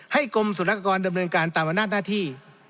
ให้ก้มศูนย์ละกราบเริ่มดนต์การณ์ตามวันหน้าหน้าที่